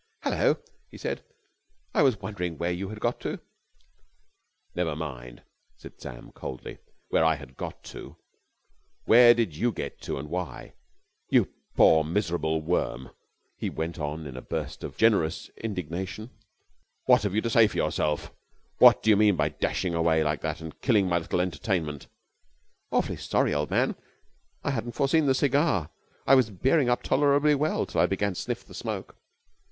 "Hullo!" he said. "I was wondering where you had got to." "Never mind," said Sam coldly, "where I had got to! Where did you get to, and why? You poor, miserable worm," he went on in a burst of generous indignation, "what have you to say for yourself? What do you mean by dashing away like that and killing my little entertainment?" "Awfully sorry, old man. I hadn't foreseen the cigar. I was bearing up tolerably well till I began to sniff the smoke.